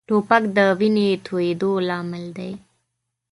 توپک د وینې تویېدو لامل دی.